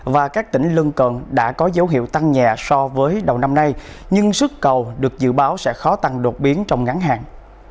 và các tỉnh lân cận đã có dấu hiệu tăng nhẹ so với đầu năm nay nhưng sức cầu được dự báo sẽ khó tăng đột biến trong ngắn hạn